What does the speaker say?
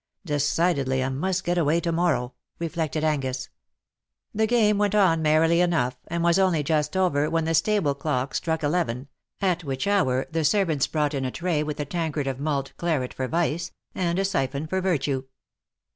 " Decidedly I must get away to morrow,^^ reflected Angus, The game went on merrily enough, and was only just over when the stable clock struck eleven, at which hour the servants brought in a tray with a tankard of mulled claret for vice, and a siphon for virtue.